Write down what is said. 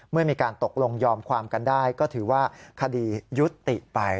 เมื่อมีการตกลงยอมความกันได้ก็ถือว่าคดียุติไป